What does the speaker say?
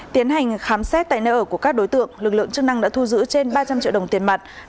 tiến hành khám xét tại nơi ở của các đối tượng lực lượng chức năng đã thu giữ trên ba trăm linh triệu đồng tiền mặt